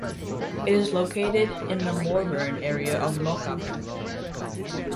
It is located in the Morvern area of Lochaber.